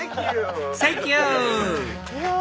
サンキュー！